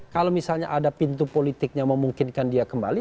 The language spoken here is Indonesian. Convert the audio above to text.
kalau misalnya ada pintu politik yang memungkinkan dia kembali